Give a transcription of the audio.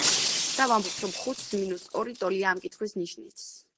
და ვამბობთ, რომ ხუთს მინუს ორი ტოლია ამ კითხვის ნიშნის.